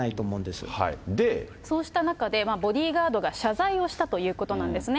そうした中で、ボディーガードが謝罪をしたということなんですね。